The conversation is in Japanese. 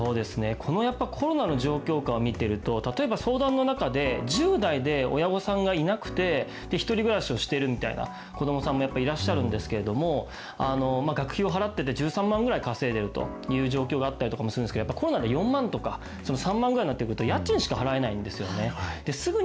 このコロナの状況下を見てると、例えば相談の中で、１０代で親御さんがいなくて、１人暮らしをしてるみたいな子どもさんもやっぱりいらっしゃるんですけれども、学費を払ってて１３万ぐらい稼いでるという状況があったりするんですけれども、やっぱりコロナで４万とか、３万になってくると、家賃しか払えないんですよね。